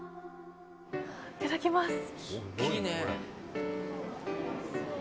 いただきます。